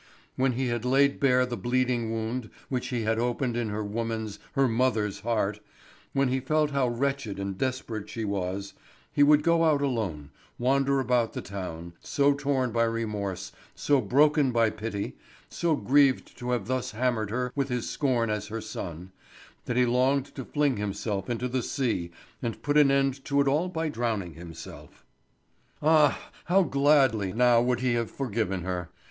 When he had laid bare the bleeding wound which he had opened in her woman's, her mother's heart, when he felt how wretched and desperate she was, he would go out alone, wander about the town, so torn by remorse, so broken by pity, so grieved to have thus hammered her with his scorn as her son, that he longed to fling himself into the sea and put an end to it all by drowning himself. Ah! How gladly now would he have forgiven her.